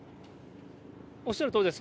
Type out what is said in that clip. おっしゃるとおりです。